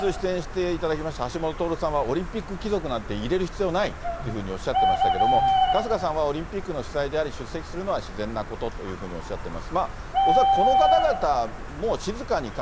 先日、出演していただきました橋下徹さんはオリンピック貴族なんて入れる必要ないっていうふうにおっしゃってましたけど、春日さんは、オリンピックの主催者が出席するのは自然のこととおっしゃってます。